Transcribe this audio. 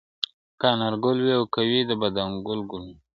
که انارگل وي او که وي د بادام گل گلونه,